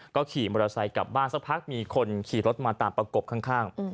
ก็ขี่มอเตอร์ไซค์กลับบ้านสักพักมีคนขี่รถมาตามประกบข้าง